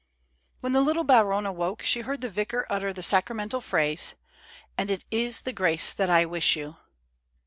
When the little baronne awoke, she heard the vicar utter the sacramental phrase :" And it is the grace that I wish you.